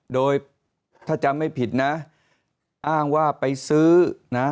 โดยถ้าจำไม่ผิดนะอ้างว่าไปซื้อนะ